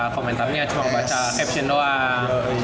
komentarnya cuma baca apsi doang